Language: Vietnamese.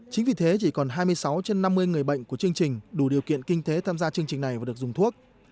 chính vì thế chỉ còn hai mươi sáu trên năm mươi người bệnh của chương trình đủ điều kiện kinh tế tham gia chương trình này và được dùng thuốc